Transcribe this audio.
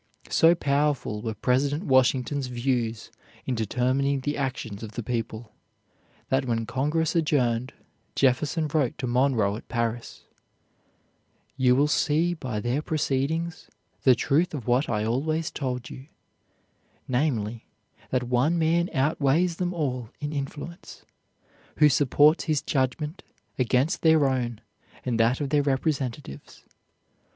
So powerful were President Washington's views in determining the actions of the people, that when Congress adjourned, Jefferson wrote to Monroe at Paris: "You will see by their proceedings the truth of what I always told you, namely, that one man outweighs them all in influence, who supports his judgment against their own and that of their representatives.